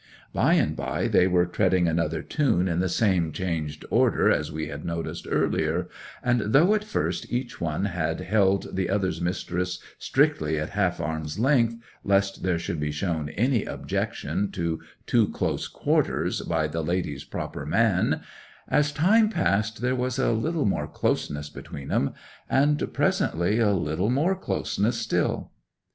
By and by they were treading another tune in the same changed order as we had noticed earlier, and though at first each one had held the other's mistress strictly at half arm's length, lest there should be shown any objection to too close quarters by the lady's proper man, as time passed there was a little more closeness between 'em; and presently a little more closeness still.